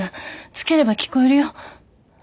つければ聞こえるよ。